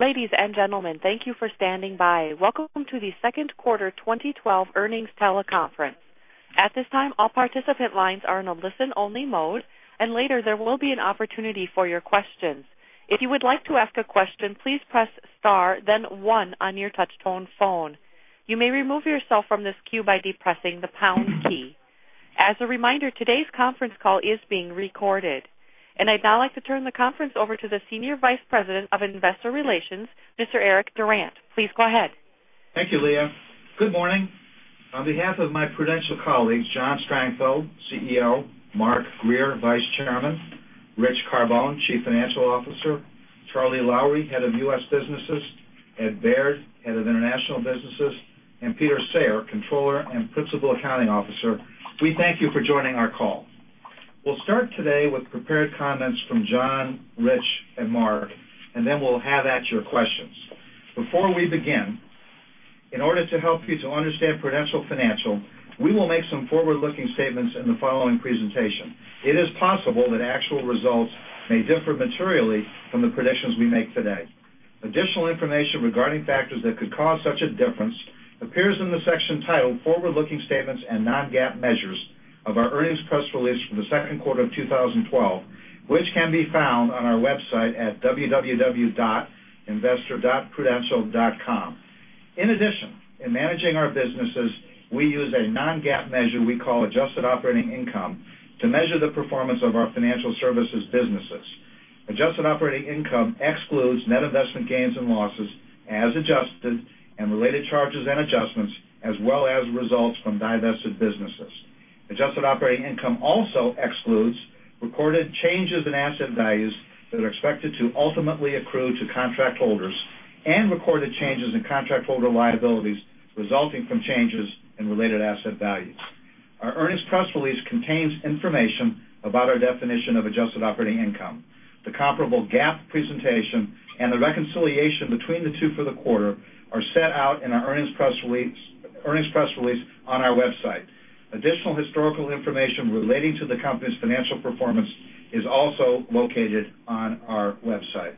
Ladies and gentlemen, thank you for standing by. Welcome to the second quarter 2012 earnings teleconference. At this time, all participant lines are in a listen-only mode, later there will be an opportunity for your questions. If you would like to ask a question, please press star then one on your touch tone phone. You may remove yourself from this queue by depressing the pound key. As a reminder, today's conference call is being recorded. I'd now like to turn the conference over to the Senior Vice President of Investor Relations, Mr. Eric Durant. Please go ahead. Thank you, Leah. Good morning. On behalf of my Prudential colleagues, John Strangfeld, CEO, Mark Grier, Vice Chairman, Rich Carbone, Chief Financial Officer, Charlie Lowrey, head of U.S. Businesses, Ed Baird, head of International Businesses, and Peter Sayre, controller and principal accounting officer, we thank you for joining our call. We'll start today with prepared comments from John, Rich, and Mark, then we'll have at your questions. Before we begin, in order to help you to understand Prudential Financial, we will make some Forward-Looking Statements in the following presentation. It is possible that actual results may differ materially from the predictions we make today. Additional information regarding factors that could cause such a difference appears in the section titled Forward-Looking Statements and Non-GAAP Measures of our earnings press release for the second quarter of 2012, which can be found on our website at www.investor.prudential.com. In managing our businesses, we use a non-GAAP measure we call adjusted operating income to measure the performance of our financial services businesses. Adjusted operating income excludes net investment gains and losses as adjusted and related charges and adjustments, as well as results from divested businesses. Adjusted operating income also excludes recorded changes in asset values that are expected to ultimately accrue to contract holders and recorded changes in contract holder liabilities resulting from changes in related asset values. Our earnings press release contains information about our definition of adjusted operating income. The comparable GAAP presentation and the reconciliation between the two for the quarter are set out in our earnings press release on our website. Additional historical information relating to the company's financial performance is also located on our website.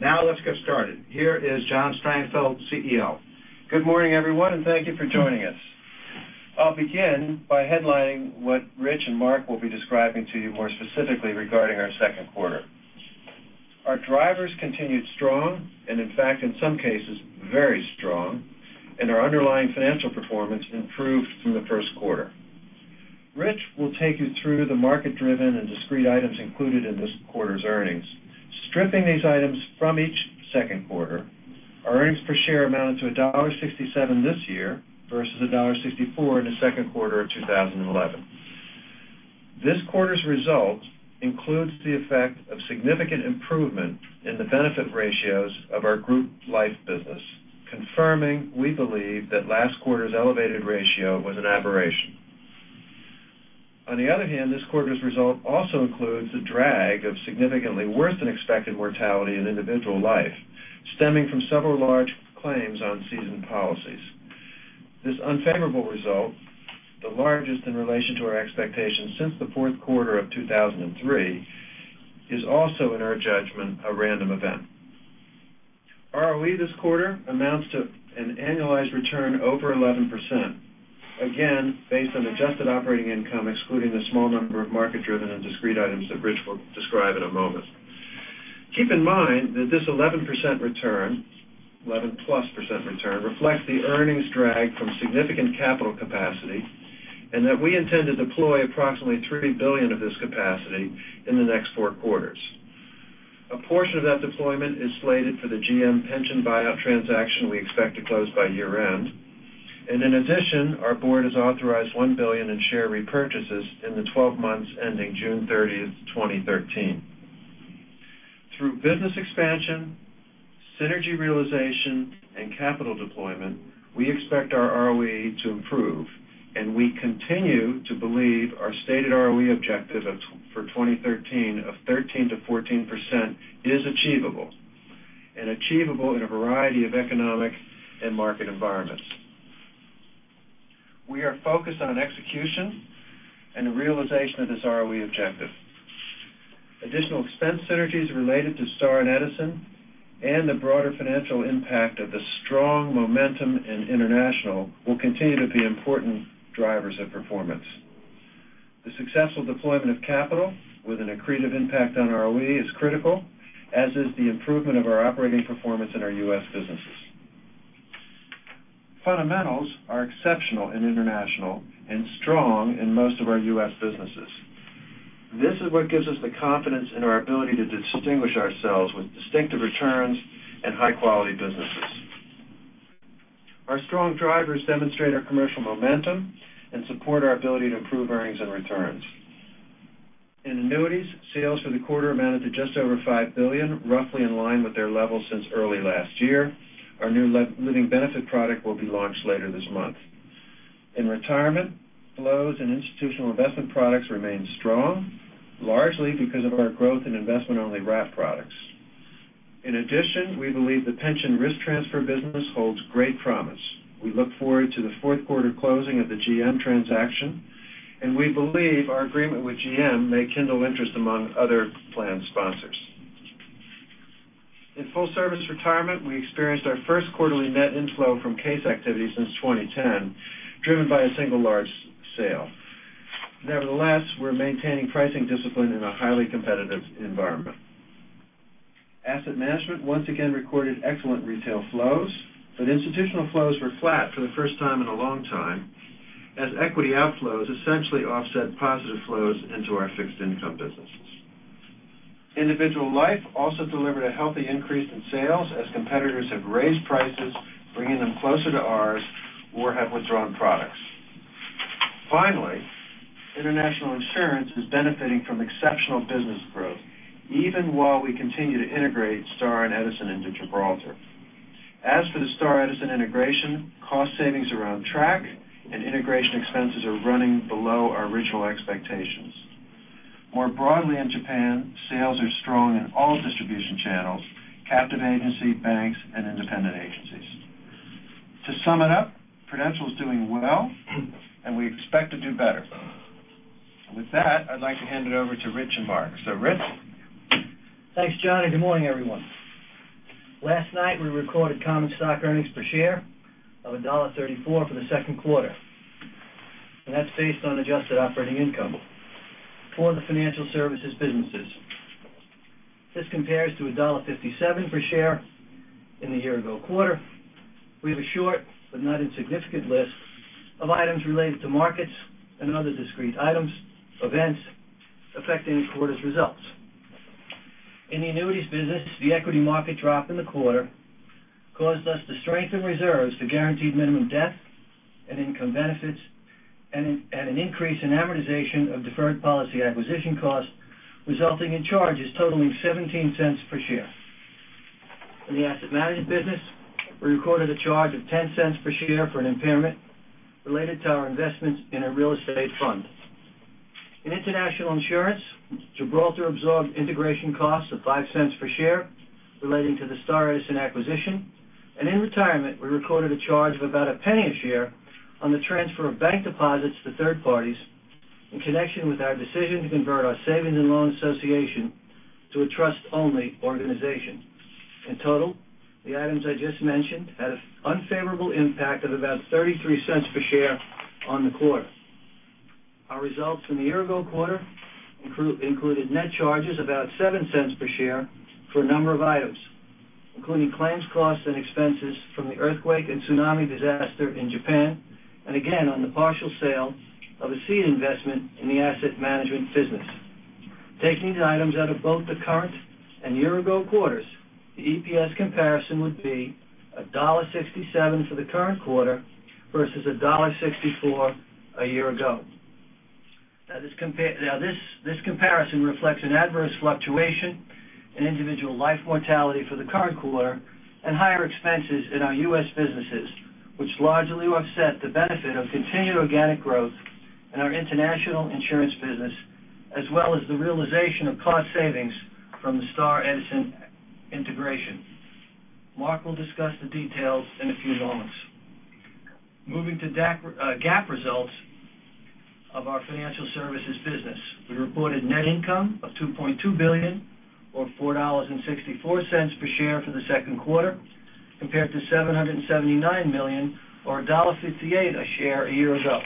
Let's get started. Here is John Strangfeld, CEO. Good morning, everyone, and thank you for joining us. I'll begin by headlining what Rich and Mark will be describing to you more specifically regarding our second quarter. Our drivers continued strong, in fact, in some cases very strong, our underlying financial performance improved from the first quarter. Rich will take you through the market driven and discrete items included in this quarter's earnings. Stripping these items from each second quarter, our earnings per share amounted to $1.67 this year versus $1.64 in the second quarter of 2011. This quarter's result includes the effect of significant improvement in the benefit ratios of our group life business, confirming we believe that last quarter's elevated ratio was an aberration. This quarter's result also includes the drag of significantly worse than expected mortality in individual life, stemming from several large claims on seasoned policies. This unfavorable result, the largest in relation to our expectations since the fourth quarter of 2003, is also, in our judgment, a random event. ROE this quarter amounts to an annualized return over 11%, again based on adjusted operating income, excluding the small number of market driven and discrete items that Rich will describe in a moment. Keep in mind that this 11% return, 11+% return, reflects the earnings drag from significant capital capacity and that we intend to deploy approximately $3 billion of this capacity in the next four quarters. A portion of that deployment is slated for the GM pension buyout transaction we expect to close by year end. In addition, our board has authorized $1 billion in share repurchases in the 12 months ending June 30th, 2013. Through business expansion, synergy realization, and capital deployment, we expect our ROE to improve. We continue to believe our stated ROE objective for 2013 of 13%-14% is achievable in a variety of economic and market environments. We are focused on execution and the realization of this ROE objective. Additional expense synergies related to Star and Edison and the broader financial impact of the strong momentum in international will continue to be important drivers of performance. The successful deployment of capital with an accretive impact on ROE is critical, as is the improvement of our operating performance in our U.S. businesses. Fundamentals are exceptional in international and strong in most of our U.S. businesses. This is what gives us the confidence in our ability to distinguish ourselves with distinctive returns and high quality businesses. Our strong drivers demonstrate our commercial momentum and support our ability to improve earnings and returns. In annuities, sales for the quarter amounted to just over $5 billion, roughly in line with their level since early last year. Our new living benefit product will be launched later this month. In retirement, flows and institutional investment products remain strong, largely because of our growth in investment only wrap products. In addition, we believe the pension risk transfer business holds great promise. We look forward to the fourth quarter closing of the GM transaction. We believe our agreement with GM may kindle interest among other plan sponsors. In full service retirement, we experienced our first quarterly net inflow from case activity since 2010, driven by a single large sale. Nevertheless, we're maintaining pricing discipline in a highly competitive environment. Asset management, once again, recorded excellent retail flows. Institutional flows were flat for the first time in a long time, as equity outflows essentially offset positive flows into our fixed income businesses. Individual life also delivered a healthy increase in sales as competitors have raised prices, bringing them closer to ours or have withdrawn products. Finally, international insurance is benefiting from exceptional business growth even while we continue to integrate Star and Edison into Gibraltar. As for the Star and Edison integration, cost savings are on track, and integration expenses are running below our original expectations. More broadly in Japan, sales are strong in all distribution channels, captive agency banks and independent agencies. To sum it up, Prudential is doing well, and we expect to do better. With that, I'd like to hand it over to Rich and Mark. Rich? Thanks, John. Good morning, everyone. Last night we recorded common stock earnings per share of $1.34 for the second quarter. That's based on adjusted operating income for the financial services businesses. This compares to $1.57 per share in the year ago quarter. We have a short but not insignificant list of items related to markets and other discrete items, events affecting the quarter's results. In the annuities business, the equity market drop in the quarter caused us to strengthen reserves to guaranteed minimum death and income benefits, an increase in amortization of deferred policy acquisition costs, resulting in charges totaling $0.17 per share. In the asset management business, we recorded a charge of $0.10 per share for an impairment related to our investments in a real estate fund. In international insurance, Gibraltar absorbed integration costs of $0.05 per share relating to the Star and Edison acquisition. In retirement, we recorded a charge of about a penny a share on the transfer of bank deposits to third parties in connection with our decision to convert our savings and loan association to a trust-only organization. In total, the items I just mentioned had an unfavorable impact of about $0.33 per share on the quarter. Our results from the year ago quarter included net charges about $0.07 per share for a number of items, including claims costs and expenses from the earthquake and tsunami disaster in Japan, a gain on the partial sale of a seed investment in the asset management business. Taking these items out of both the current and year-ago quarters, the EPS comparison would be $1.67 for the current quarter versus $1.64 a year ago. This comparison reflects an adverse fluctuation in individual life mortality for the current quarter and higher expenses in our U.S. businesses, which largely offset the benefit of continued organic growth in our international insurance business, as well as the realization of cost savings from the Star and Edison integration. Mark will discuss the details in a few moments. Moving to GAAP results of our financial services business, we reported net income of $2.2 billion or $4.64 per share for the second quarter, compared to $779 million or $1.58 a share a year ago.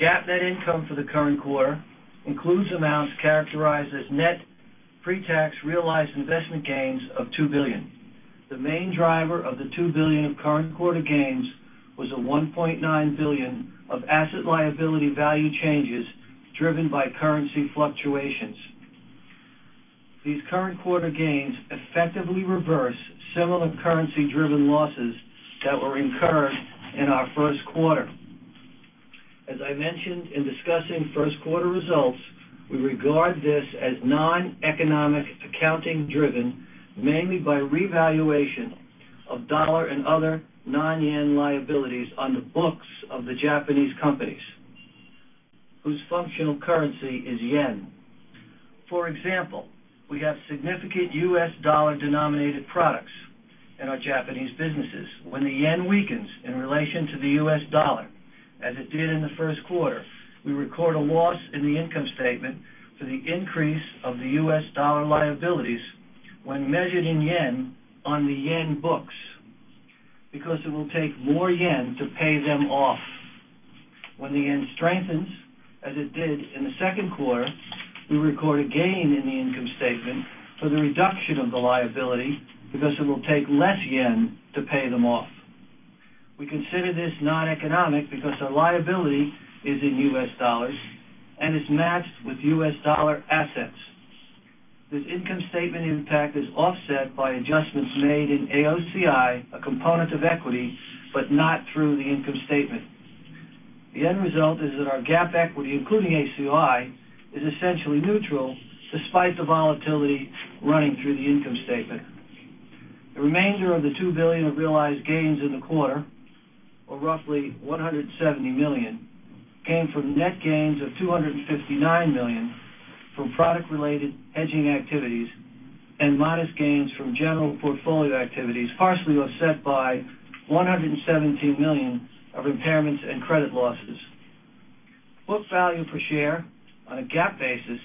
GAAP net income for the current quarter includes amounts characterized as net pretax realized investment gains of $2 billion. The main driver of the $2 billion of current quarter gains was $1.9 billion of asset liability value changes driven by currency fluctuations. These current quarter gains effectively reverse similar currency driven losses that were incurred in our first quarter. As I mentioned in discussing first quarter results, we regard this as non-economic accounting driven mainly by revaluation of U.S. dollar and other non-JPY liabilities on the books of the Japanese companies whose functional currency is JPY. For example, we have significant U.S. dollar denominated products in our Japanese businesses. When the JPY weakens in relation to the U.S. dollar, as it did in the first quarter, we record a loss in the income statement for the increase of the U.S. dollar liabilities when measured in JPY on the JPY books because it will take more JPY to pay them off. When the yen strengthens, as it did in the second quarter, we record a gain in the income statement for the reduction of the liability because it will take less yen to pay them off. We consider this non-economic because the liability is in U.S. dollars and is matched with U.S. dollar assets. This income statement impact is offset by adjustments made in AOCI, a component of equity, but not through the income statement. The end result is that our GAAP equity, including AOCI, is essentially neutral despite the volatility running through the income statement. The remainder of the 2 billion of realized gains in the quarter, or roughly 170 million, came from net gains of 259 million from product related hedging activities. Modest gains from general portfolio activities partially offset by $117 million of impairments and credit losses. Book value per share on a GAAP basis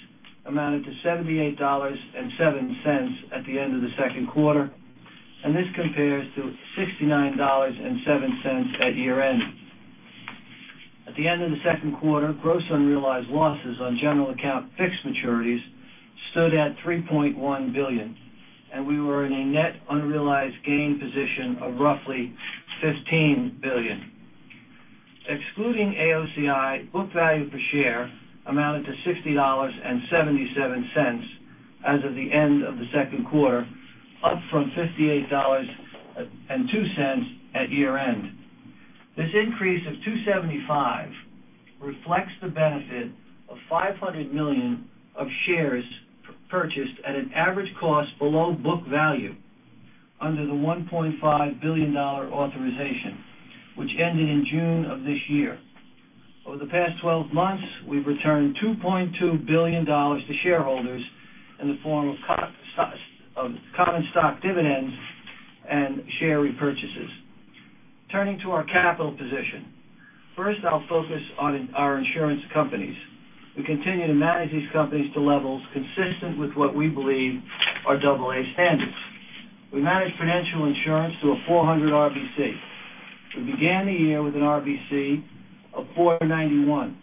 amounted to $78.07 at the end of the second quarter, and this compares to $69.07 at year-end. At the end of the second quarter, gross unrealized losses on general account fixed maturities stood at $3.1 billion, and we were in a net unrealized gain position of roughly $15 billion. Excluding AOCI, book value per share amounted to $60.77 as of the end of the second quarter, up from $58.02 at year-end. This increase of $2.75 reflects the benefit of 500 million of shares purchased at an average cost below book value under the $1.5 billion authorization, which ended in June of this year. Over the past 12 months, we've returned $2.2 billion to shareholders in the form of common stock dividends and share repurchases. Turning to our capital position. First, I'll focus on our insurance companies. We continue to manage these companies to levels consistent with what we believe are AA standards. We manage Prudential Insurance through a 400 RBC. We began the year with an RBC of 491.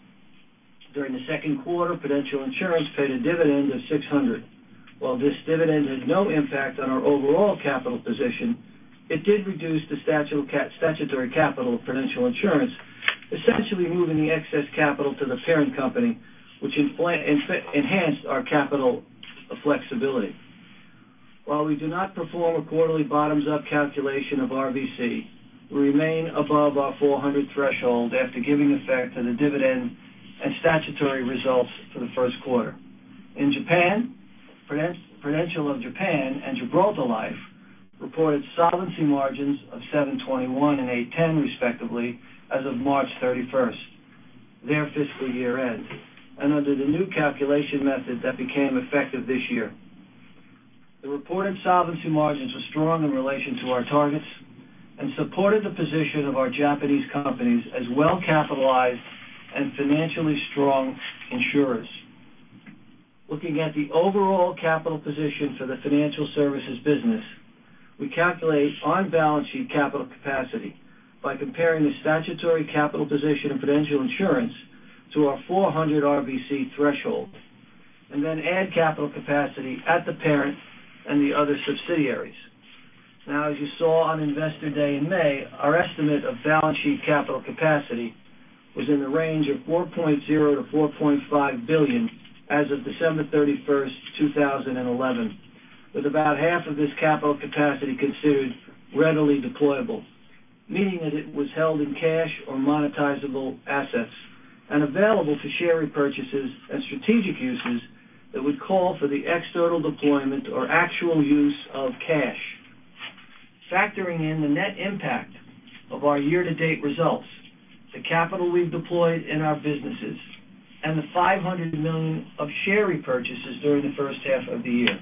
During the second quarter, Prudential Insurance paid a dividend of $600. While this dividend had no impact on our overall capital position, it did reduce the statutory capital of Prudential Insurance, essentially moving the excess capital to the parent company, which enhanced our capital flexibility. While we do not perform a quarterly bottoms-up calculation of RBC, we remain above our 400 threshold after giving effect to the dividend and statutory results for the first quarter. In Japan, Prudential of Japan and Gibraltar Life reported solvency margins of 721% and 810% respectively as of March 31st, their fiscal year-end, and under the new calculation method that became effective this year. The reported solvency margins were strong in relation to our targets and supported the position of our Japanese companies as well-capitalized and financially strong insurers. Looking at the overall capital position for the financial services business, we calculate on-balance sheet capital capacity by comparing the statutory capital position of Prudential Insurance to our 400 RBC threshold. Add capital capacity at the parent and the other subsidiaries. As you saw on Investor Day in May, our estimate of balance sheet capital capacity was in the range of $4.0 billion-$4.5 billion as of December 31st, 2011, with about half of this capital capacity considered readily deployable, meaning that it was held in cash or monetizable assets and available for share repurchases and strategic uses that would call for the external deployment or actual use of cash. Factoring in the net impact of our year-to-date results, the capital we've deployed in our businesses, and the $500 million of share repurchases during the first half of the year,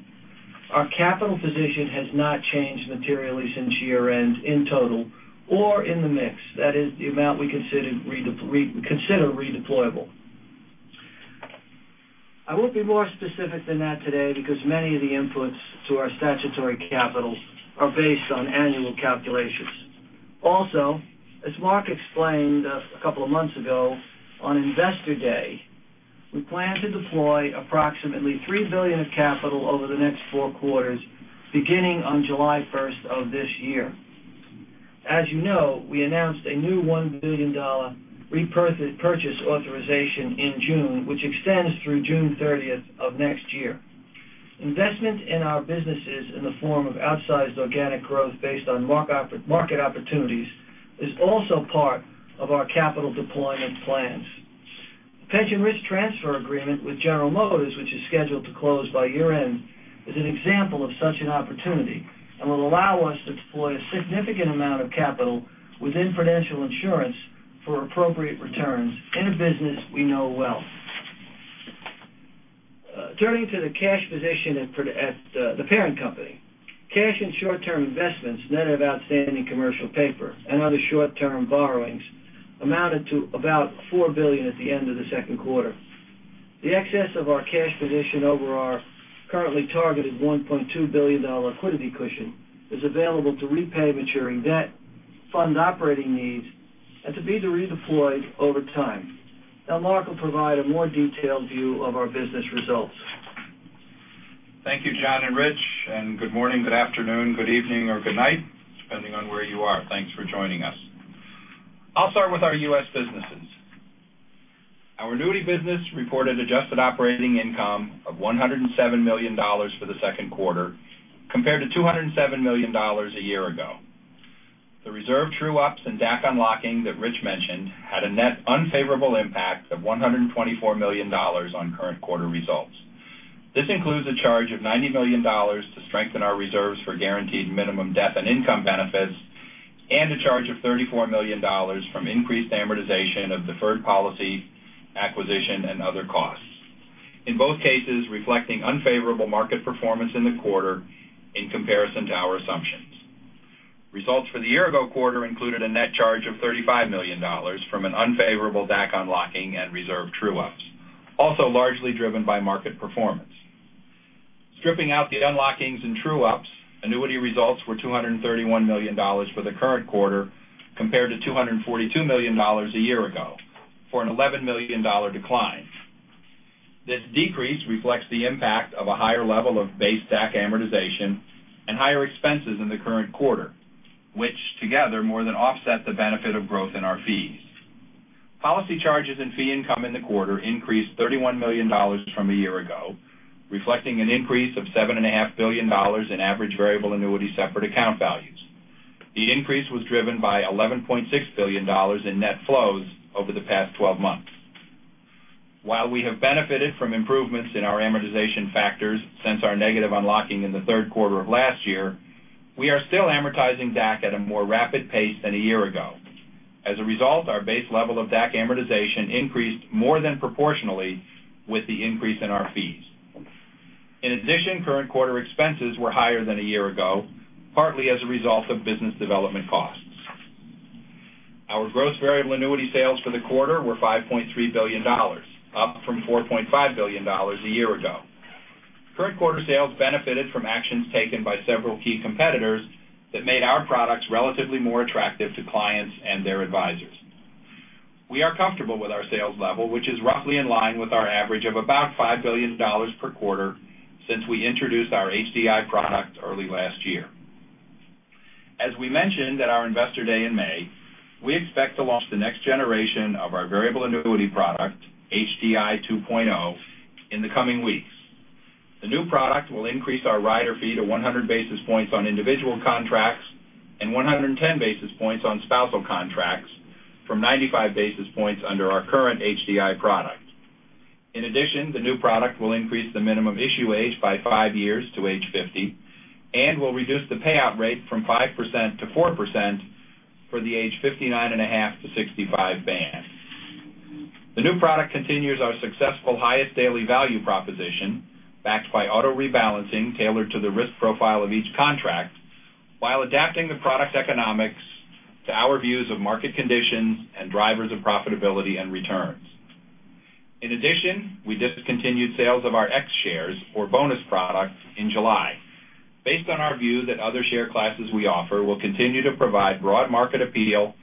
our capital position has not changed materially since year-end in total or in the mix. That is the amount we consider redeployable. I won't be more specific than that today because many of the inputs to our statutory capital are based on annual calculations. Also, as Mark explained a couple of months ago on Investor Day, we plan to deploy approximately $3 billion of capital over the next four quarters, beginning on July 1st of this year. As you know, we announced a new $1 billion repurchase authorization in June, which extends through June 30th of next year. Investment in our businesses in the form of outsized organic growth based on market opportunities is also part of our capital deployment plans. The pension risk transfer agreement with General Motors, which is scheduled to close by year-end, is an example of such an opportunity and will allow us to deploy a significant amount of capital within The Prudential Insurance Company of America for appropriate returns in a business we know well. Turning to the cash position at the parent company. Cash and short-term investments, net of outstanding commercial paper and other short-term borrowings, amounted to about $4 billion at the end of the second quarter. The excess of our cash position over our currently targeted $1.2 billion liquidity cushion is available to repay maturing debt, fund operating needs, and to be redeployed over time. Mark will provide a more detailed view of our business results. Thank you, John and Rich, and good morning, good afternoon, good evening, or good night, depending on where you are. Thanks for joining us. I'll start with our U.S. businesses. Our annuity business reported adjusted operating income of $107 million for the second quarter compared to $207 million a year ago. The reserve true-ups and DAC unlocking that Rich mentioned had a net unfavorable impact of $124 million on current quarter results. This includes a charge of $90 million to strengthen our reserves for guaranteed minimum death and income benefits. A charge of $34 million from increased amortization of deferred policy acquisition and other costs. In both cases, reflecting unfavorable market performance in the quarter in comparison to our assumptions. Results for the year-ago quarter included a net charge of $35 million from an unfavorable DAC unlocking and reserve true-ups, also largely driven by market performance. Stripping out the unlockings and true-ups, annuity results were $231 million for the current quarter, compared to $242 million a year ago, for an $11 million decline. This decrease reflects the impact of a higher level of base DAC amortization and higher expenses in the current quarter, which together more than offset the benefit of growth in our fees. Policy charges and fee income in the quarter increased $31 million from a year ago, reflecting an increase of $7.5 billion in average variable annuity separate account values. The increase was driven by $11.6 billion in net flows over the past 12 months. While we have benefited from improvements in our amortization factors since our negative unlocking in the third quarter of last year, we are still amortizing DAC at a more rapid pace than a year ago. As a result, our base level of DAC amortization increased more than proportionally with the increase in our fees. In addition, current quarter expenses were higher than a year ago, partly as a result of business development costs. Our gross variable annuity sales for the quarter were $5.3 billion, up from $4.5 billion a year ago. Current quarter sales benefited from actions taken by several key competitors that made our products relatively more attractive to clients and their advisors. We are comfortable with our sales level, which is roughly in line with our average of about $5 billion per quarter since we introduced our HDI product early last year. As we mentioned at our Investor Day in May, we expect to launch the next generation of our variable annuity product, HDI 2.0, in the coming weeks. The new product will increase our rider fee to 100 basis points on individual contracts and 110 basis points on spousal contracts from 95 basis points under our current HDI product. In addition, the new product will increase the minimum issue age by five years to age 50 and will reduce the payout rate from 5% to 4% for the age 59 and a half to 65 band. The new product continues our successful Highest Daily value proposition, backed by auto rebalancing tailored to the risk profile of each contract, while adapting the product economics to our views of market conditions and drivers of profitability and returns. In addition, we discontinued sales of our X shares or bonus products in July based on our view that other share classes we offer will continue to provide broad market appeal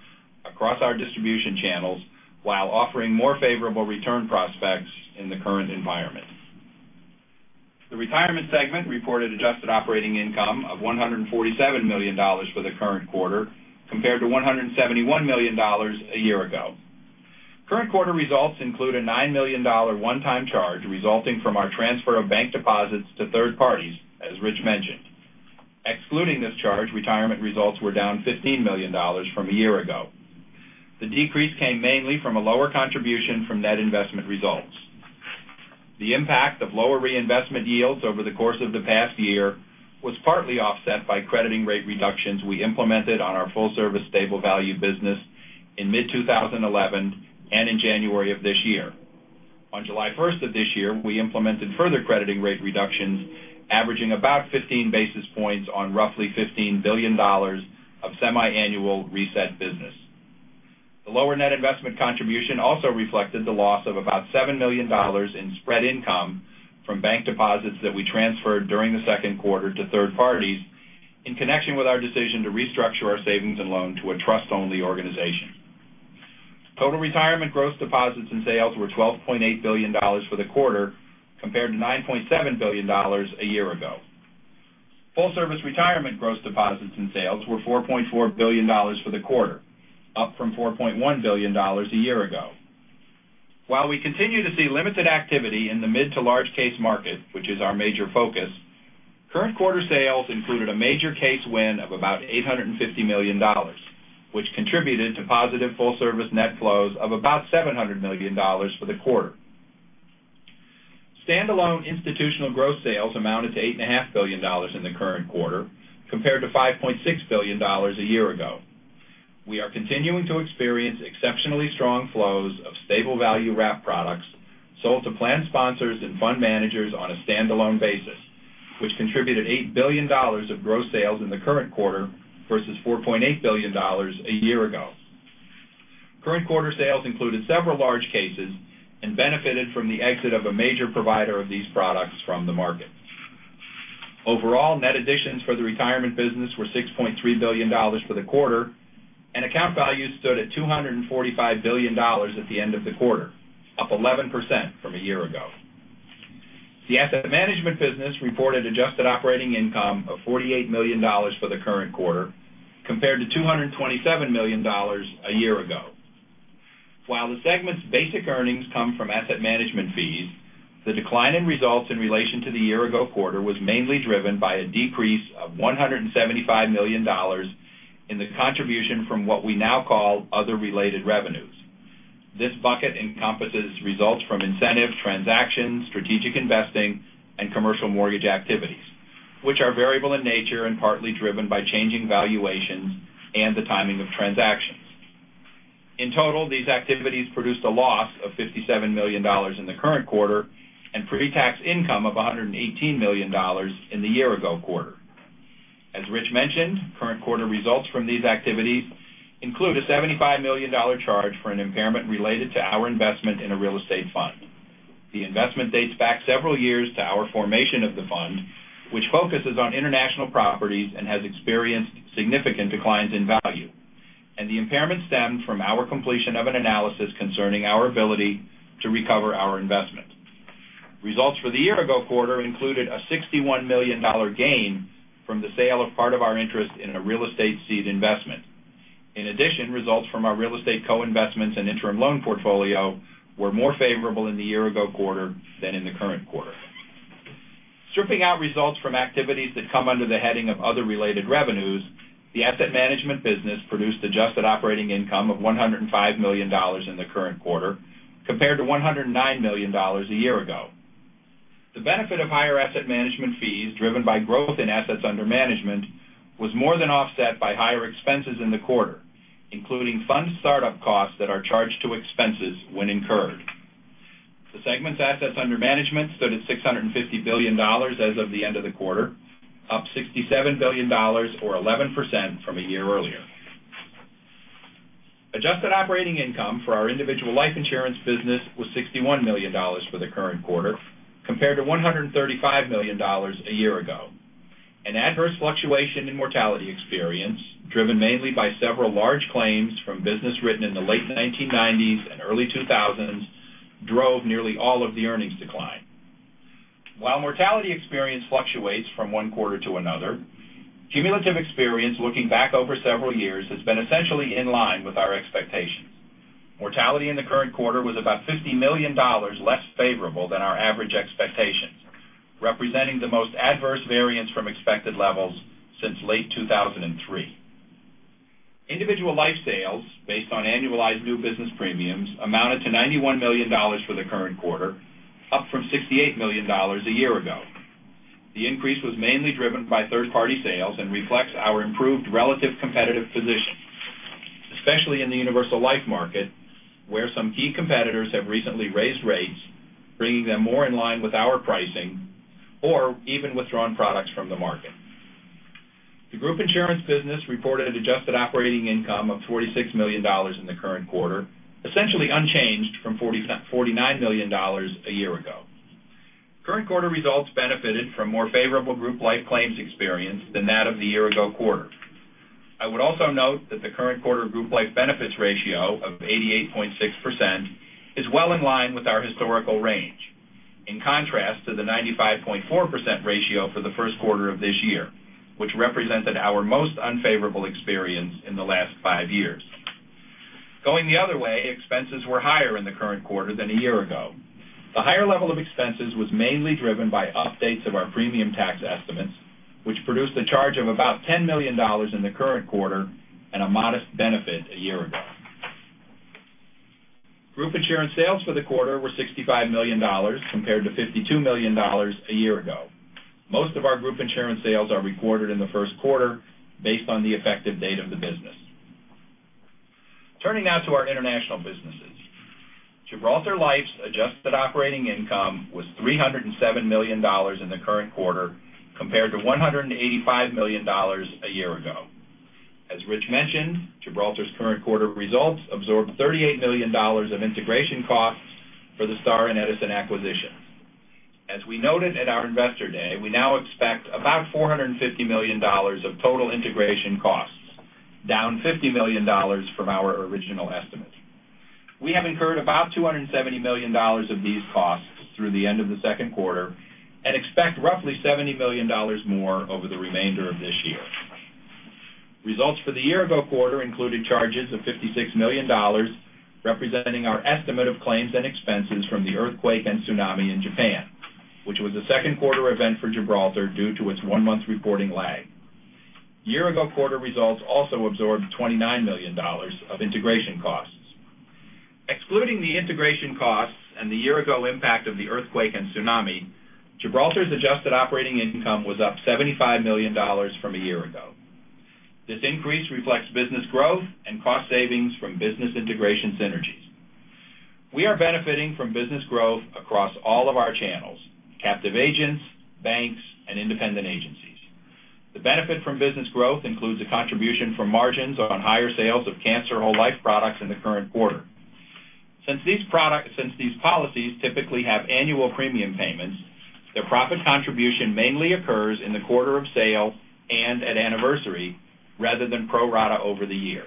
across our distribution channels while offering more favorable return prospects in the current environment. The retirement segment reported adjusted operating income of $147 million for the current quarter, compared to $171 million a year ago. Current quarter results include a $9 million one-time charge resulting from our transfer of bank deposits to third parties, as Rich mentioned. Excluding this charge, retirement results were down $15 million from a year ago. The decrease came mainly from a lower contribution from net investment results. The impact of lower reinvestment yields over the course of the past year was partly offset by crediting rate reductions we implemented on our full service stable value business in mid-2011 and in January of this year. On July 1st of this year, we implemented further crediting rate reductions averaging about 15 basis points on roughly $15 billion of semiannual reset business. The lower net investment contribution also reflected the loss of about $7 million in spread income from bank deposits that we transferred during the second quarter to third parties in connection with our decision to restructure our savings and loan to a trust-only organization. Total retirement gross deposits and sales were $12.8 billion for the quarter, compared to $9.7 billion a year ago. Full service retirement gross deposits and sales were $4.4 billion for the quarter, up from $4.1 billion a year ago. While we continue to see limited activity in the mid to large case market, which is our major focus, current quarter sales included a major case win of about $850 million, which contributed to positive full service net flows of about $700 million for the quarter. Standalone institutional gross sales amounted to $8.5 billion in the current quarter, compared to $5.6 billion a year ago. We are continuing to experience exceptionally strong flows of stable value wrap products sold to plan sponsors and fund managers on a standalone basis, which contributed $8 billion of gross sales in the current quarter versus $4.8 billion a year ago. Current quarter sales included several large cases and benefited from the exit of a major provider of these products from the market. Overall, net additions for the retirement business were $6.3 billion for the quarter, and account values stood at $245 billion at the end of the quarter, up 11% from a year ago. The asset management business reported adjusted operating income of $48 million for the current quarter, compared to $227 million a year ago. While the segment's basic earnings come from asset management fees, the decline in results in relation to the year-ago quarter was mainly driven by a decrease of $175 million in the contribution from what we now call other related revenues. This bucket encompasses results from incentive transactions, strategic investing, and commercial mortgage activities, which are variable in nature and partly driven by changing valuations and the timing of transactions. In total, these activities produced a loss of $57 million in the current quarter and pre-tax income of $118 million in the year-ago quarter. As Rich mentioned, current quarter results from these activities include a $75 million charge for an impairment related to our investment in a real estate fund. The investment dates back several years to our formation of the fund, which focuses on international properties and has experienced significant declines in value. The impairment stemmed from our completion of an analysis concerning our ability to recover our investment. Results for the year-ago quarter included a $61 million gain from the sale of part of our interest in a real estate seed investment. In addition, results from our real estate co-investments and interim loan portfolio were more favorable in the year-ago quarter than in the current quarter. Stripping out results from activities that come under the heading of other related revenues, the asset management business produced adjusted operating income of $105 million in the current quarter, compared to $109 million a year ago. The benefit of higher asset management fees driven by growth in assets under management was more than offset by higher expenses in the quarter, including fund startup costs that are charged to expenses when incurred. The segment's assets under management stood at $650 billion as of the end of the quarter, up $67 billion or 11% from a year earlier. Adjusted operating income for our individual life insurance business was $61 million for the current quarter, compared to $135 million a year ago. An adverse fluctuation in mortality experience, driven mainly by several large claims from business written in the late 1990s and early 2000s, drove nearly all of the earnings decline. While mortality experience fluctuates from one quarter to another, cumulative experience looking back over several years has been essentially in line with our expectations. Mortality in the current quarter was about $50 million less favorable than our average expectations, representing the most adverse variance from expected levels since late 2003. Individual life sales, based on annualized new business premiums, amounted to $91 million for the current quarter, up from $68 million a year ago. The increase was mainly driven by third-party sales and reflects our improved relative competitive position, especially in the universal life market, where some key competitors have recently raised rates, bringing them more in line with our pricing, or even withdrawn products from the market. The group insurance business reported an adjusted operating income of $46 million in the current quarter, essentially unchanged from $49 million a year ago. Current quarter results benefited from more favorable group life claims experience than that of the year-ago quarter. I would also note that the current quarter group life benefits ratio of 88.6% is well in line with our historical range, in contrast to the 95.4% ratio for the first quarter of this year, which represented our most unfavorable experience in the last five years. Going the other way, expenses were higher in the current quarter than a year ago. The higher level of expenses was mainly driven by updates of our premium tax estimates, which produced a charge of about $10 million in the current quarter and a modest benefit a year ago. Group insurance sales for the quarter were $65 million, compared to $52 million a year ago. Most of our group insurance sales are recorded in the first quarter, based on the effective date of the business. Turning now to our international businesses. Gibraltar Life's adjusted operating income was $307 million in the current quarter, compared to $185 million a year ago. As Rich mentioned, Gibraltar's current quarter results absorbed $38 million of integration costs for the Star and Edison acquisition. As we noted at our Investor Day, we now expect about $450 million of total integration costs, down $50 million from our original estimate. We have incurred about $270 million of these costs through the end of the second quarter and expect roughly $70 million more over the remainder of this year. Results for the year-ago quarter included charges of $56 million, representing our estimate of claims and expenses from the earthquake and tsunami in Japan, which was a second quarter event for Gibraltar due to its one-month reporting lag. Year-ago quarter results also absorbed $29 million of integration costs. Excluding the integration costs and the year-ago impact of the earthquake and tsunami, Gibraltar's adjusted operating income was up $75 million from a year ago. This increase reflects business growth and cost savings from business integration synergies. We are benefiting from business growth across all of our channels, captive agents, banks, and independent agencies. The benefit from business growth includes a contribution from margins on higher sales of cancer whole life products in the current quarter. Since these policies typically have annual premium payments, their profit contribution mainly occurs in the quarter of sale and at anniversary, rather than pro rata over the year.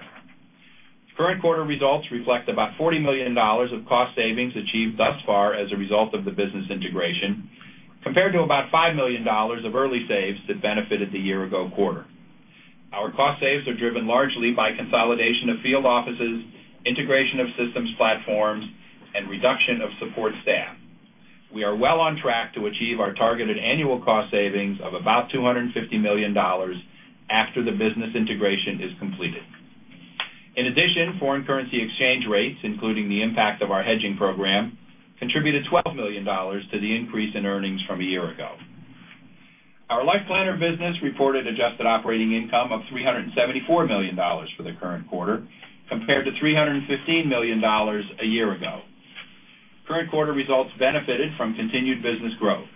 Current quarter results reflect about $40 million of cost savings achieved thus far as a result of the business integration, compared to about $5 million of early saves that benefited the year-ago quarter. Our cost saves are driven largely by consolidation of field offices, integration of systems platforms, and reduction of support staff. We are well on track to achieve our targeted annual cost savings of about $250 million after the business integration is completed. In addition, foreign currency exchange rates, including the impact of our hedging program, contributed $12 million to the increase in earnings from a year ago. Our Life Planner business reported adjusted operating income of $374 million for the current quarter compared to $315 million a year ago. Current quarter results benefited from continued business growth.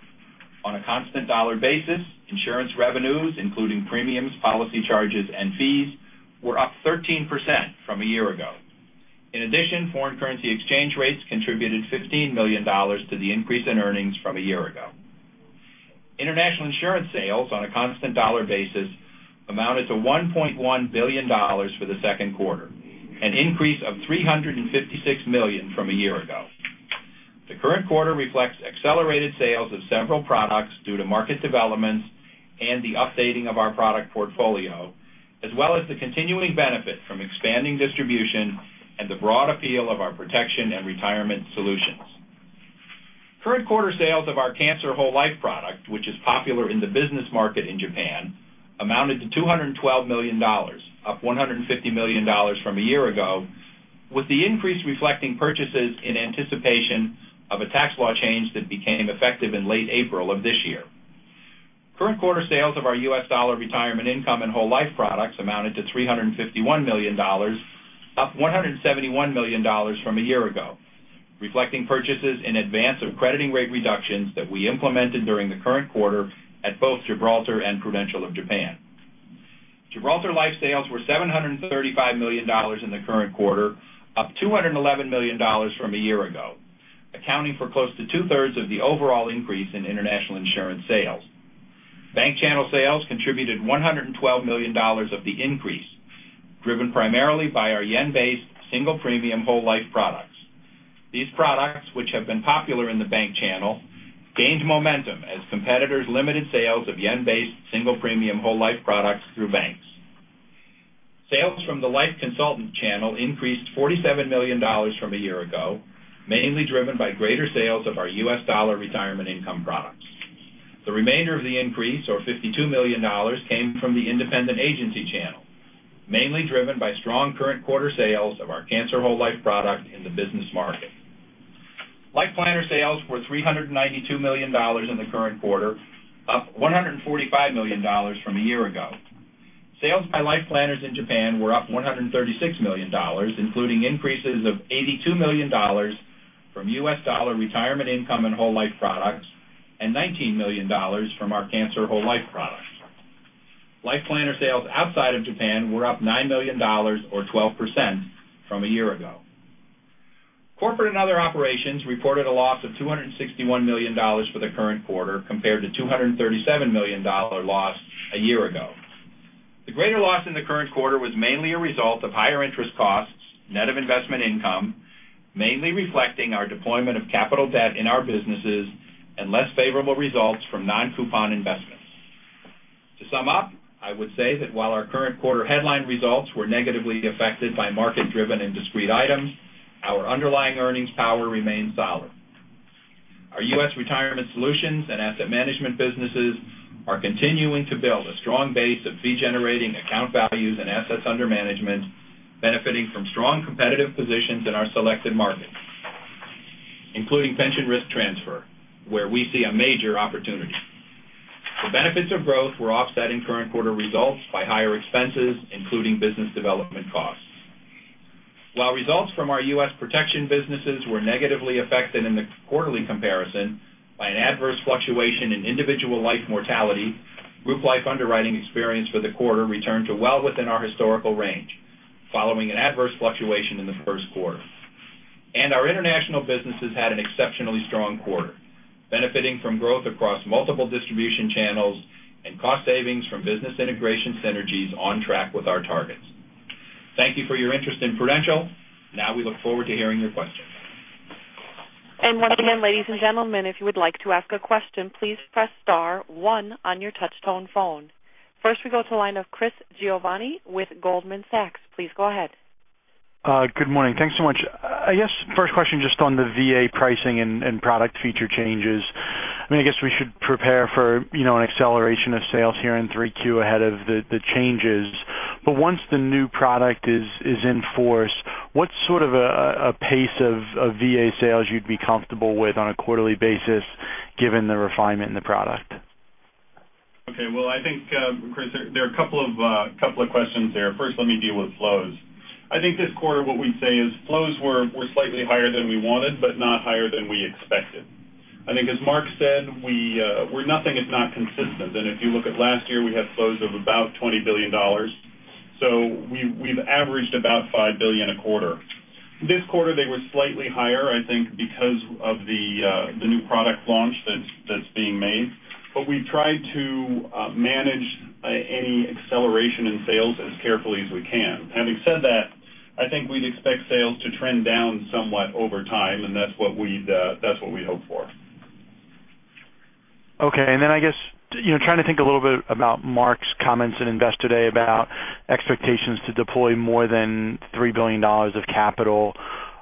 On a constant dollar basis, insurance revenues, including premiums, policy charges, and fees, were up 13% from a year ago. In addition, foreign currency exchange rates contributed $15 million to the increase in earnings from a year ago. International insurance sales on a constant dollar basis amounted to $1.1 billion for the second quarter, an increase of $356 million from a year ago. The current quarter reflects accelerated sales of several products due to market developments and the updating of our product portfolio, as well as the continuing benefit from expanding distribution and the broad appeal of our protection and retirement solutions. Current quarter sales of our cancer whole life product, which is popular in the business market in Japan, amounted to $212 million, up $150 million from a year ago, with the increase reflecting purchases in anticipation of a tax law change that became effective in late April of this year. Current quarter sales of our US dollar retirement income and whole life products amounted to $351 million, up $171 million from a year ago, reflecting purchases in advance of crediting rate reductions that we implemented during the current quarter at both Gibraltar and Prudential of Japan. Gibraltar Life sales were $735 million in the current quarter, up $211 million from a year ago, accounting for close to two-thirds of the overall increase in international insurance sales. Bank channel sales contributed $112 million of the increase, driven primarily by our yen-based single premium whole life products. These products, which have been popular in the bank channel, gained momentum as competitors limited sales of yen-based single premium whole life products through banks. Sales from the life consultant channel increased $47 million from a year ago, mainly driven by greater sales of our US dollar retirement income products. The remainder of the increase, or $52 million, came from the independent agency channel, mainly driven by strong current quarter sales of our cancer whole life product in the business market. Life Planner sales were $392 million in the current quarter, up $145 million from a year ago. Sales by Life Planners in Japan were up $136 million, including increases of $82 million from US dollar retirement income and whole life products and $19 million from our cancer whole life products. Life Planner sales outside of Japan were up $9 million or 12% from a year ago. Corporate and other operations reported a loss of $261 million for the current quarter compared to $237 million loss a year ago. The greater loss in the current quarter was mainly a result of higher interest costs, net of investment income, mainly reflecting our deployment of capital debt in our businesses and less favorable results from non-coupon investments. To sum up, I would say that while our current quarter headline results were negatively affected by market-driven and discrete items, our underlying earnings power remains solid. Our U.S. retirement solutions and asset management businesses are continuing to build a strong base of fee-generating account values and assets under management, benefiting from strong competitive positions in our selected markets, including pension risk transfer, where we see a major opportunity. The benefits of growth were offsetting current quarter results by higher expenses, including business development costs. While results from our U.S. protection businesses were negatively affected in the quarterly comparison by an adverse fluctuation in individual life mortality, group life underwriting experience for the quarter returned to well within our historical range following an adverse fluctuation in the first quarter. Our international businesses had an exceptionally strong quarter, benefiting from growth across multiple distribution channels and cost savings from business integration synergies on track with our targets. Thank you for your interest in Prudential. Now we look forward to hearing your questions. Once again, ladies and gentlemen, if you would like to ask a question, please press star one on your touch-tone phone. First, we go to the line of Christopher Giovanni with Goldman Sachs. Please go ahead. Good morning. Thanks so much. I guess first question just on the VA pricing and product feature changes. I guess we should prepare for an acceleration of sales here in Q3 ahead of the changes. Once the new product is in force, what sort of a pace of VA sales you'd be comfortable with on a quarterly basis given the refinement in the product? Okay. Well, I think, Chris, there are a couple of questions there. First, let me deal with flows. I think this quarter what we'd say is flows were slightly higher than we wanted, but not higher than we expected. I think as Mark said, we're nothing if not consistent. If you look at last year, we had flows of about $20 billion. We've averaged about $5 billion a quarter. This quarter, they were slightly higher, I think because of the new product launch that's being made. We've tried to manage any acceleration in sales as carefully as we can. Having said that, I think we'd expect sales to trend down somewhat over time, and that's what we hope for. Okay. I guess, trying to think a little bit about Mark's comments at Investor Day about expectations to deploy more than $3 billion of capital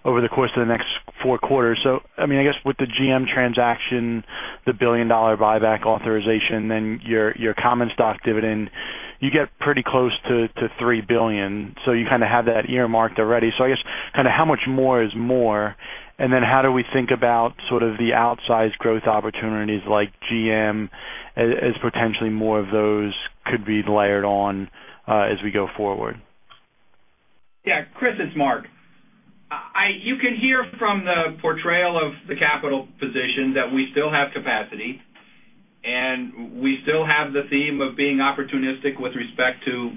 over the course of the next four quarters. I guess with the General Motors transaction, the billion-dollar buyback authorization, then your common stock dividend, you get pretty close to $3 billion. You kind of have that earmarked already. I guess how much more is more, and then how do we think about sort of the outsized growth opportunities like General Motors as potentially more of those could be layered on as we go forward? Yeah, Chris, it's Mark. You can hear from the portrayal of the capital position that we still have capacity, and we still have the theme of being opportunistic with respect to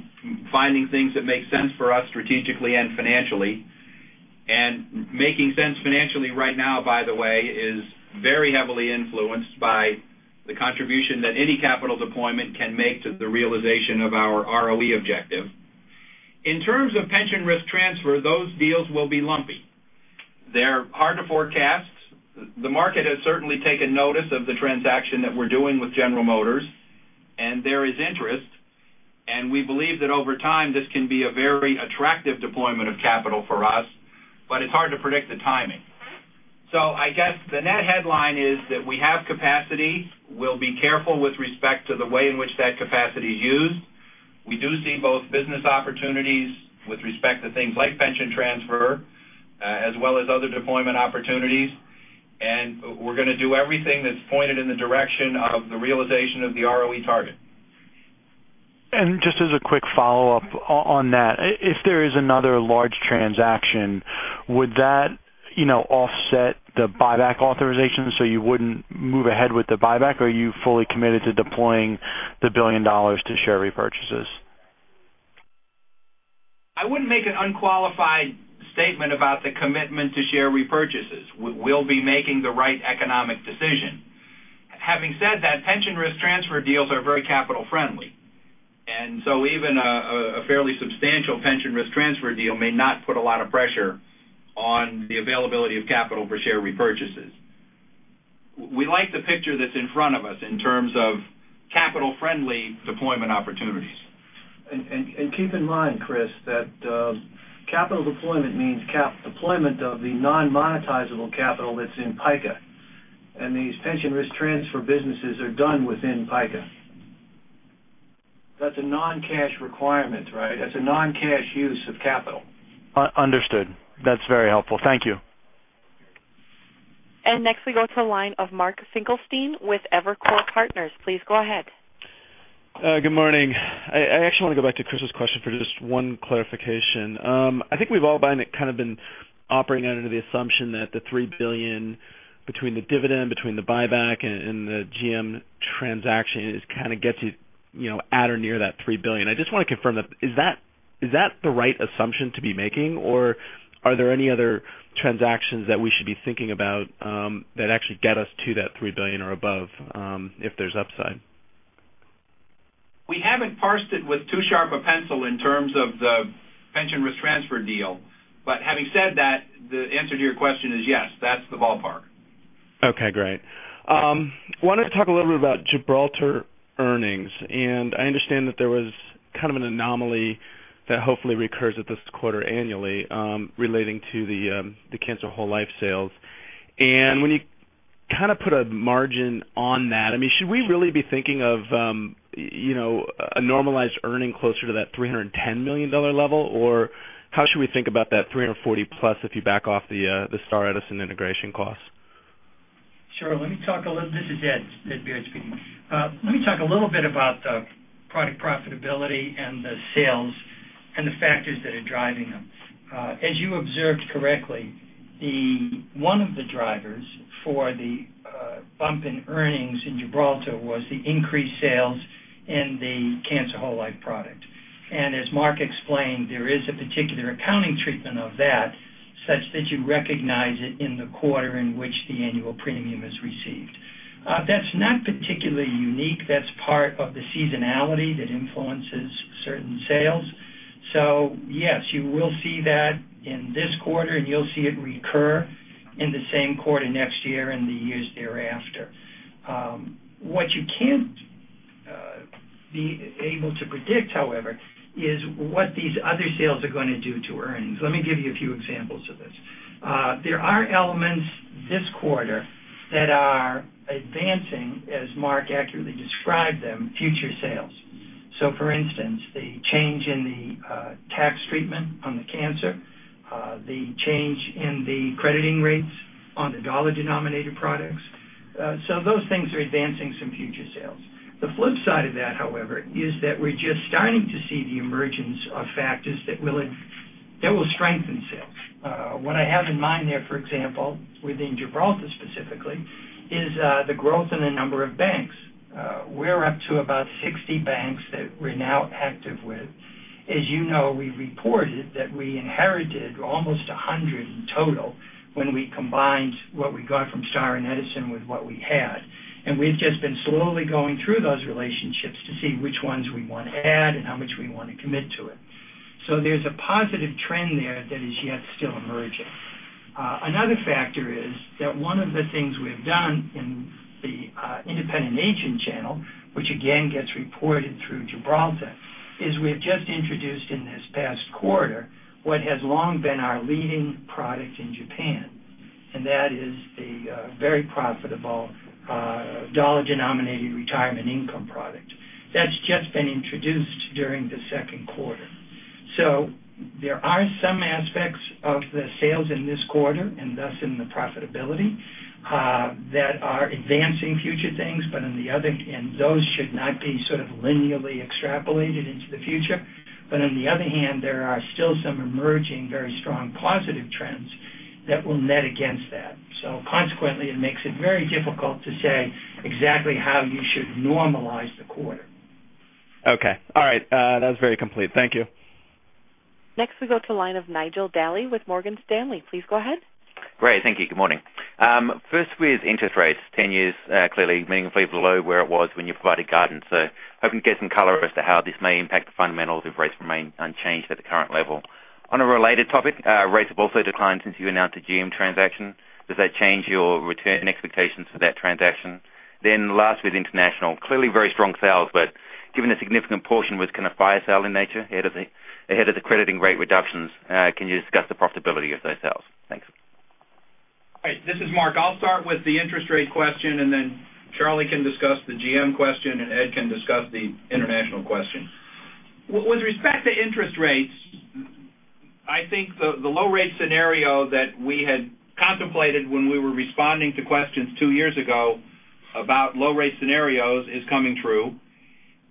finding things that make sense for us strategically and financially. Making sense financially right now, by the way, is very heavily influenced by the contribution that any capital deployment can make to the realization of our ROE objective. In terms of pension risk transfer, those deals will be lumpy. They're hard to forecast. The market has certainly taken notice of the transaction that we're doing with General Motors, and there is interest, and we believe that over time, this can be a very attractive deployment of capital for us, but it's hard to predict the timing. I guess the net headline is that we have capacity. We'll be careful with respect to the way in which that capacity is used. We do see both business opportunities with respect to things like pension transfer as well as other deployment opportunities. We're going to do everything that's pointed in the direction of the realization of the ROE target. Just as a quick follow-up on that, if there is another large transaction, would that offset the buyback authorization, so you wouldn't move ahead with the buyback, or are you fully committed to deploying the $1 billion to share repurchases? I wouldn't make an unqualified statement about the commitment to share repurchases. We'll be making the right economic decision. Having said that, pension risk transfer deals are very capital friendly, so even a fairly substantial pension risk transfer deal may not put a lot of pressure on the availability of capital for share repurchases. We like the picture that's in front of us in terms of capital-friendly deployment opportunities. Keep in mind, Chris, that capital deployment means deployment of the non-monetizable capital that's in PICA. These pension risk transfer businesses are done within PICA. That's a non-cash requirement, right? That's a non-cash use of capital. Understood. That's very helpful. Thank you. Next we go to the line of Mark Finkelstein with Evercore Partners. Please go ahead. Good morning. I actually want to go back to Chris's question for just one clarification. I think we've all kind of been operating under the assumption that the $3 billion between the dividend, between the buyback, and the GM transaction kind of gets you at or near that $3 billion. I just want to confirm, is that the right assumption to be making, or are there any other transactions that we should be thinking about that actually get us to that $3 billion or above if there's upside? We haven't parsed it with too sharp a pencil in terms of the pension risk transfer deal. Having said that, the answer to your question is yes, that's the ballpark. Okay, great. Wanted to talk a little bit about Gibraltar earnings, and I understand that there was kind of an anomaly that hopefully recurs at this quarter annually relating to the cancer whole life sales. When you kind of put a margin on that, should we really be thinking of a normalized earning closer to that $310 million level, or how should we think about that $340-plus if you back off the Star and Edison integration cost? Sure. This is Ed Baird speaking. Let me talk a little bit about the product profitability and the sales and the factors that are driving them. As you observed correctly, one of the drivers for the bump in earnings in Gibraltar was the increased sales in the cancer whole life product. And as Mark explained, there is a particular accounting treatment of that such that you recognize it in the quarter in which the annual premium is received. That's not particularly unique. That's part of the seasonality that influences certain sales. Yes, you will see that in this quarter, and you'll see it recur in the same quarter next year and the years thereafter. What you can't be able to predict, however, is what these other sales are going to do to earnings. Let me give you a few examples of this. There are elements this quarter that are advancing, as Mark accurately described them, future sales. For instance, the change in the tax treatment on the cancer, the change in the crediting rates on the dollar-denominated products. Those things are advancing some future sales. The flip side of that, however, is that we're just starting to see the emergence of factors that will strengthen sales. What I have in mind there, for example, within Gibraltar specifically, is the growth in the number of banks. We're up to about 60 banks that we're now active with. As you know, we reported that we inherited almost 100 in total when we combined what we got from Star and Edison with what we had. We've just been slowly going through those relationships to see which ones we want to add and how much we want to commit to it. There's a positive trend there that is yet still emerging. Another factor is that one of the things we've done in the independent agent channel, which again gets reported through Gibraltar, is we have just introduced in this past quarter what has long been our leading product in Japan, and that is the very profitable US dollar retirement income product. That's just been introduced during the second quarter. There are some aspects of the sales in this quarter and thus in the profitability that are advancing future things, and those should not be sort of linearly extrapolated into the future. On the other hand, there are still some emerging very strong positive trends that will net against that. Consequently, it makes it very difficult to say exactly how you should normalize the quarter. Okay. All right. That was very complete. Thank you. Next we go to the line of Nigel D'Souza with Morgan Stanley. Please go ahead. Great. Thank you. Good morning. First with interest rates, 10 years, clearly meaningfully below where it was when you provided guidance. Hoping to get some color as to how this may impact the fundamentals if rates remain unchanged at the current level. On a related topic, rates have also declined since you announced the GM transaction. Does that change your return expectations for that transaction? Last with international. Clearly very strong sales, but given a significant portion was kind of fire sale in nature ahead of the crediting rate reductions, can you discuss the profitability of those sales? Thanks. All right. This is Mark. I'll start with the interest rate question, Charlie can discuss the GM question, and Ed can discuss the international question. With respect to interest rates, I think the low rate scenario that we had contemplated when we were responding to questions two years ago about low rate scenarios is coming true.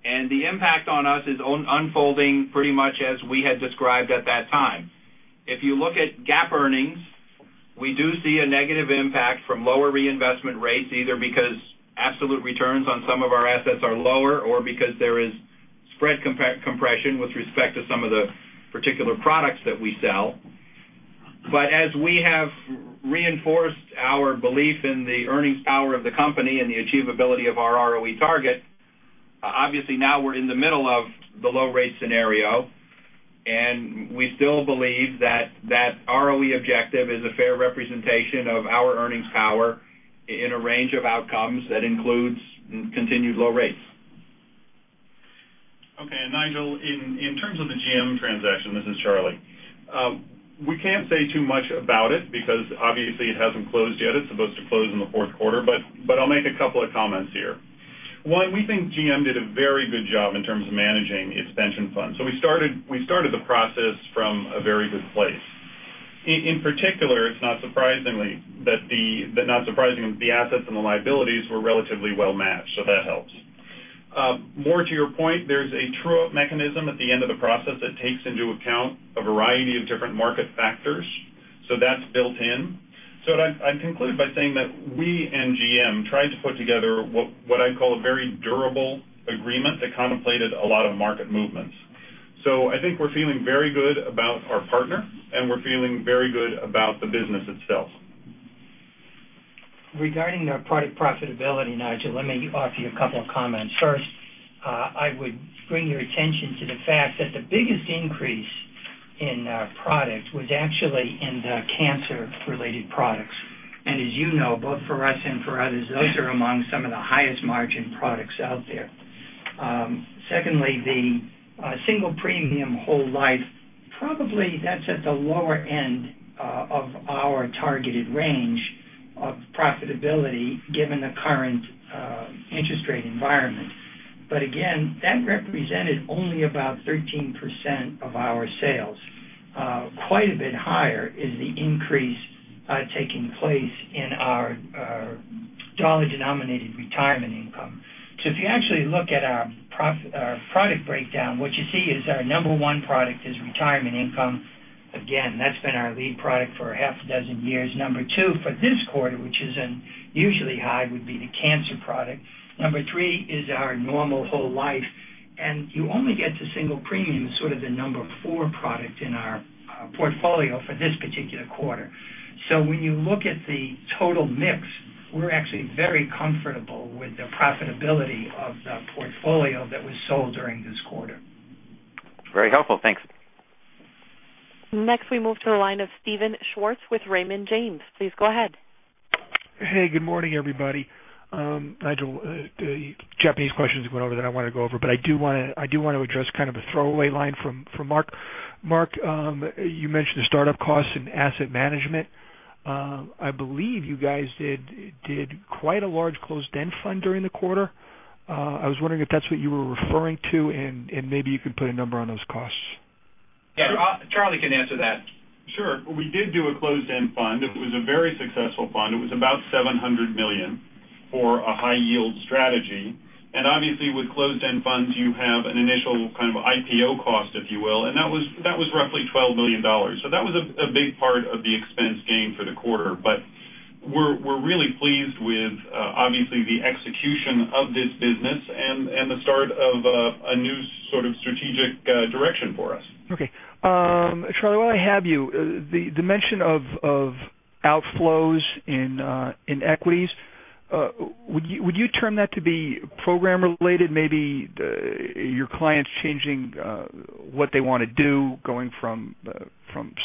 The impact on us is unfolding pretty much as we had described at that time. If you look at GAAP earnings, we do see a negative impact from lower reinvestment rates, either because absolute returns on some of our assets are lower or because there is spread compression with respect to some of the particular products that we sell. As we have reinforced our belief in the earnings power of the company and the achievability of our ROE target, obviously now we're in the middle of the low rate scenario, and we still believe that that ROE objective is a fair representation of our earnings power in a range of outcomes that includes continued low rates. Okay, Nigel, in terms of the GM transaction, this is Charlie. We can't say too much about it because obviously it hasn't closed yet. It's supposed to close in the fourth quarter. I'll make a couple of comments here. One, we think GM did a very good job in terms of managing its pension fund. We started the process from a very good place. In particular, it's not surprising that the assets and the liabilities were relatively well-matched, so that helps. More to your point, there's a true-up mechanism at the end of the process that takes into account a variety of different market factors. That's built in. I'd conclude by saying that we and GM tried to put together what I'd call a very durable agreement that contemplated a lot of market movements. I think we're feeling very good about our partner, and we're feeling very good about the business itself. Regarding our product profitability, Nigel, let me offer you a couple of comments. First, I would bring your attention to the fact that the biggest increase in our product was actually in the cancer-related products. As you know, both for us and for others, those are among some of the highest margin products out there. Secondly, the single premium whole life, probably that's at the lower end of our targeted range of profitability given the current interest rate environment. Again, that represented only about 13% of our sales. Quite a bit higher is the increase taking place in our dollar-denominated retirement income. If you actually look at our product breakdown, what you see is our number 1 product is retirement income. Again, that's been our lead product for half a dozen years. Number 2 for this quarter, which isn't usually high, would be the cancer product. Number 3 is our normal whole life. You only get to single premium, sort of the number 4 product in our portfolio for this particular quarter. When you look at the total mix, we're actually very comfortable with the profitability of the portfolio that was sold during this quarter. Very helpful. Thanks. Next, we move to the line of Steven Schwartz with Raymond James. Please go ahead. Hey, good morning, everybody. Nigel, Japanese questions went over that I want to go over. I do want to address kind of a throwaway line from Mark. Mark, you mentioned the startup costs in asset management. I believe you guys did quite a large closed-end fund during the quarter. I was wondering if that's what you were referring to, and maybe you could put a number on those costs. Yeah. Charlie can answer that. Sure. We did do a closed-end fund. It was a very successful fund. It was about $700 million for a high yield strategy. Obviously with closed-end funds, you have an initial kind of IPO cost, if you will, and that was roughly $12 million. That was a big part of the expense gain for the quarter. We're really pleased with, obviously, the execution of this business and the start of a new sort of strategic direction for us. Okay. Charlie, while I have you, the mention of outflows in equities. Would you term that to be program related, maybe your clients changing what they want to do, going from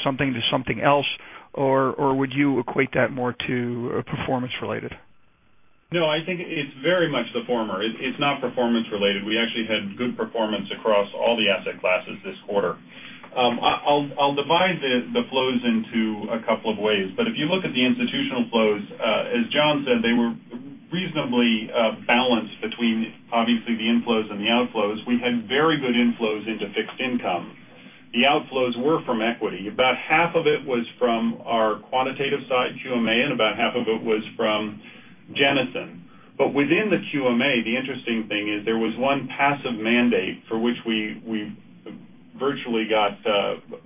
something to something else? Would you equate that more to performance related? No, I think it's very much the former. It's not performance related. We actually had good performance across all the asset classes this quarter. I'll divide the flows into a couple of ways, if you look at the institutional flows, as John said, they were reasonably balanced between, obviously, the inflows and the outflows. We had very good inflows into fixed income. The outflows were from equity. About half of it was from our quantitative side, QMA, and about half of it was from Jennison. Within the QMA, the interesting thing is there was one passive mandate for which we virtually got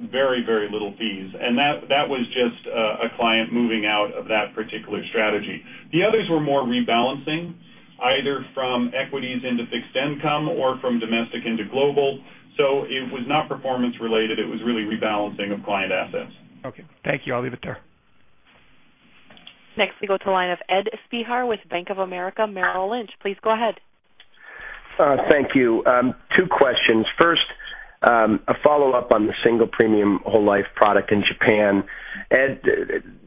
very little fees, and that was just a client moving out of that particular strategy. The others were more rebalancing, either from equities into fixed income or from domestic into global. It was not performance related. It was really rebalancing of client assets. Okay. Thank you. I'll leave it there. Next, we go to the line of Ed Spehar with Bank of America Merrill Lynch. Please go ahead. Thank you. Two questions. First, a follow-up on the single premium whole life product in Japan. Ed,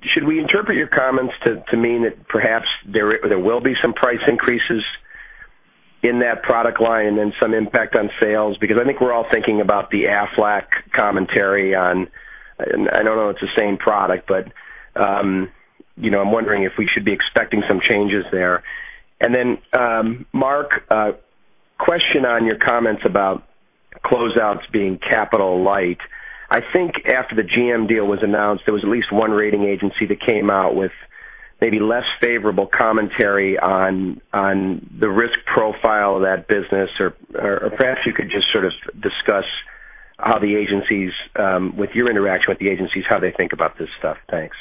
should we interpret your comments to mean that perhaps there will be some price increases in that product line and some impact on sales? Because I think we're all thinking about the Aflac commentary on, I know it's the same product, but I'm wondering if we should be expecting some changes there. Mark, a question on your comments about closeouts being capital light. I think after the GM deal was announced, there was at least one rating agency that came out with maybe less favorable commentary on the risk profile of that business. Perhaps you could just sort of discuss how the agencies, with your interaction with the agencies, how they think about this stuff. Thanks.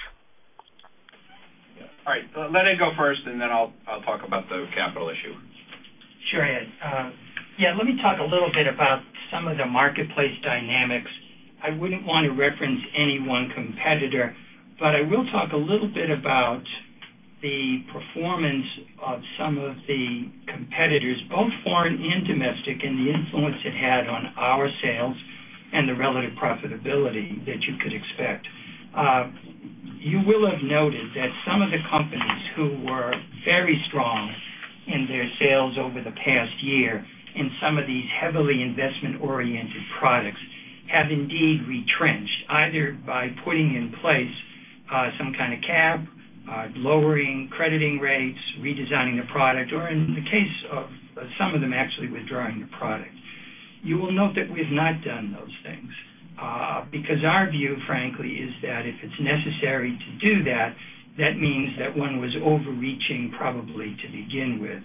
All right. Let Ed go first, and then I'll talk about the capital issue. Sure, Ed. Yeah, let me talk a little bit about some of the marketplace dynamics. I wouldn't want to reference any one competitor, but I will talk a little bit about the performance of some of the competitors, both foreign and domestic, and the influence it had on our sales and the relative profitability that you could expect. You will have noted that some of the companies who were very strong in their sales over the past year in some of these heavily investment-oriented products have indeed retrenched, either by putting in place some kind of cap, lowering crediting rates, redesigning a product, or in the case of some of them, actually withdrawing the product. You will note that we've not done those things because our view, frankly, is that if it's necessary to do that means that one was overreaching probably to begin with.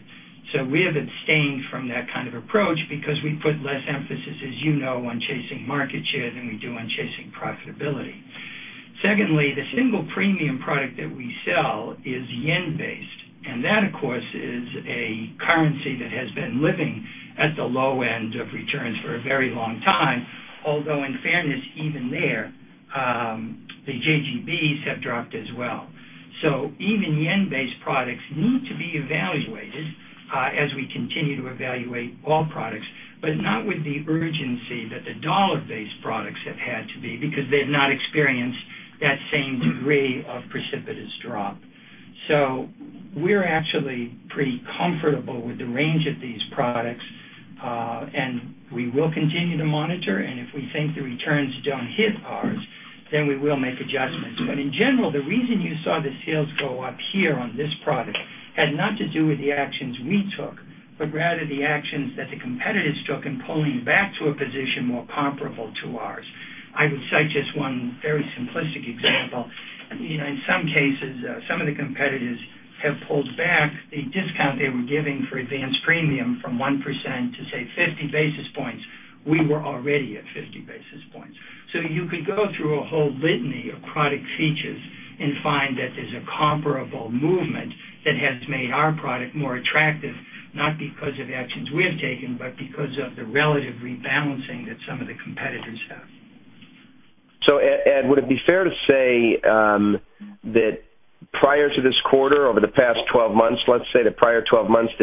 We have abstained from that kind of approach because we put less emphasis, as you know, on chasing market share than we do on chasing profitability. Secondly, the single premium product that we sell is yen based, and that, of course, is a currency that has been living at the low end of returns for a very long time. Although in fairness, even there, the JGBs have dropped as well. Even yen based products need to be evaluated as we continue to evaluate all products, but not with the urgency that the dollar-based products have had to be because they've not experienced that same degree of precipitous drop. We're actually pretty comfortable with the range of these products. And we will continue to monitor, and if we think the returns don't hit ours, we will make adjustments. In general, the reason you saw the sales go up here on this product had not to do with the actions we took, but rather the actions that the competitors took in pulling back to a position more comparable to ours. I would cite just one very simplistic example. In some cases, some of the competitors have pulled back a discount they were giving for advanced premium from 1% to, say, 50 basis points. We were already at 50 basis points. You could go through a whole litany of product features and find that there's a comparable movement that has made our product more attractive, not because of actions we have taken, but because of the relative rebalancing that some of the competitors have. Ed, would it be fair to say that prior to this quarter, over the past 12 months, let's say the prior 12 months,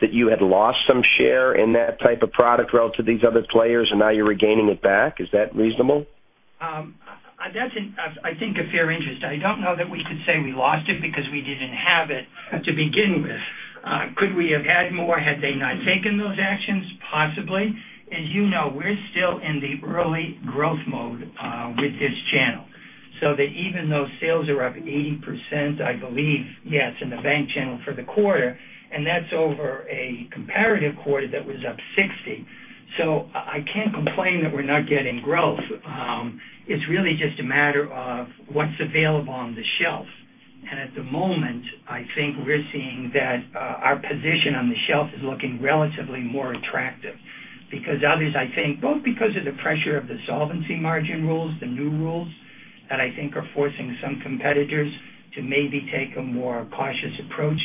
that you had lost some share in that type of product relative to these other players and now you're regaining it back? Is that reasonable? That's, I think, a fair inference. I don't know that we could say we lost it because we didn't have it to begin with. Could we have had more had they not taken those actions? Possibly. As you know, we're still in the early growth mode with this channel, even though sales are up 80%, I believe, yes, in the bank channel for the quarter, and that's over a comparative quarter that was up 60%. I can't complain that we're not getting growth. It's really just a matter of what's available on the shelf. At the moment, I think we're seeing that our position on the shelf is looking relatively more attractive because others, I think, both because of the pressure of the solvency margin rules, the new rules that I think are forcing some competitors to maybe take a more cautious approach,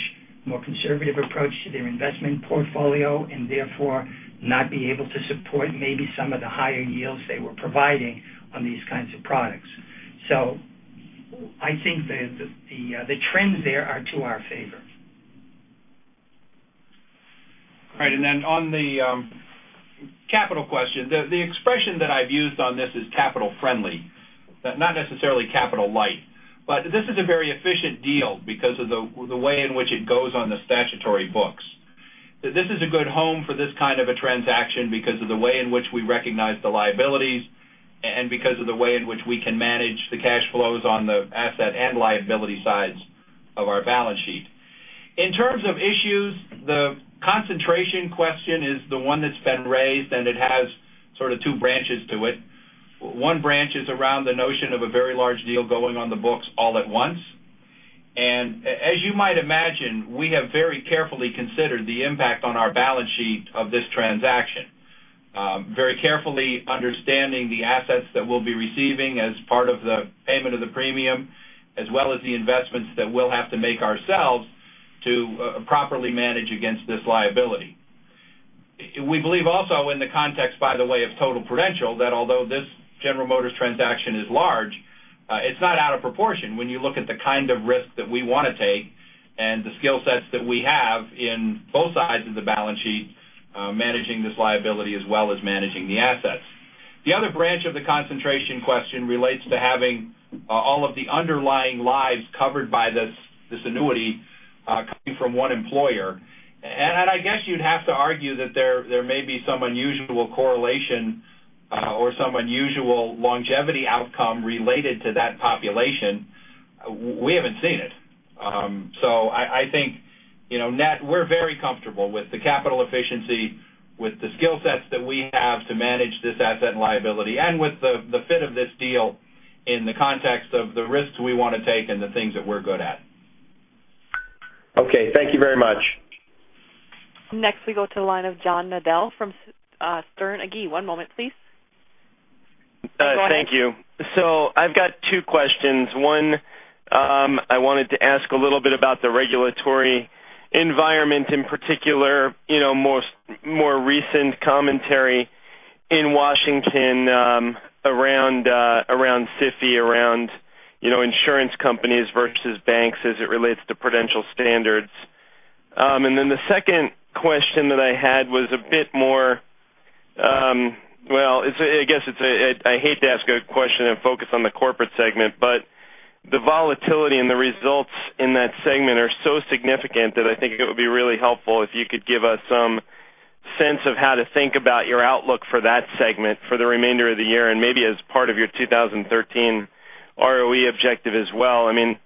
more conservative approach to their investment portfolio, and therefore not be able to support maybe some of the higher yields they were providing on these kinds of products. I think the trends there are to our favor. Right. On the capital question, the expression that I've used on this is capital friendly, not necessarily capital light. This is a very efficient deal because of the way in which it goes on the statutory books. This is a good home for this kind of a transaction because of the way in which we recognize the liabilities and because of the way in which we can manage the cash flows on the asset and liability sides of our balance sheet. In terms of issues, the concentration question is the one that's been raised, and it has sort of two branches to it. One branch is around the notion of a very large deal going on the books all at once. As you might imagine, we have very carefully considered the impact on our balance sheet of this transaction. Very carefully understanding the assets that we'll be receiving as part of the payment of the premium, as well as the investments that we'll have to make ourselves to properly manage against this liability. We believe also in the context, by the way, of total Prudential, that although this General Motors transaction is large, it's not out of proportion when you look at the kind of risk that we want to take and the skill sets that we have in both sides of the balance sheet, managing this liability as well as managing the assets. The other branch of the concentration question relates to having all of the underlying lives covered by this annuity coming from one employer. I guess you'd have to argue that there may be some unusual correlation or some unusual longevity outcome related to that population. We haven't seen it. I think net, we're very comfortable with the capital efficiency, with the skill sets that we have to manage this asset and liability, and with the fit of this deal in the context of the risks we want to take and the things that we're good at. Okay. Thank you very much. Next, we go to the line of John Nadel from Sterne Agee. One moment please. Go ahead. Thank you. I've got two questions. One, I wanted to ask a little bit about the regulatory environment, in particular, more recent commentary in Washington around SIFI, around insurance companies versus banks as it relates to Prudential standards. The second question that I had was a bit more, well, I guess I hate to ask a question and focus on the corporate segment, but the volatility and the results in that segment are so significant that I think it would be really helpful if you could give us some sense of how to think about your outlook for that segment for the remainder of the year and maybe as part of your 2013 ROE objective as well. I